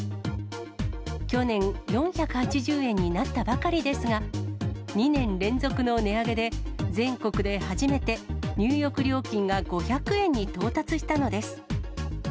去年、４８０円になったばかりですが、２年連続の値上げで、全国で初めて入浴料金が５００円に到達したのです。